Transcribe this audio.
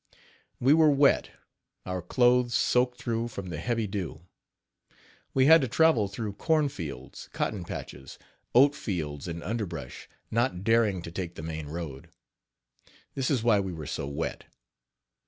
We were wet our clothes soaked through from the heavy dew. We had to travel through corn fields, cotton patches, oat fields and underbrush, not daring to take the main road. This is why we were so wet.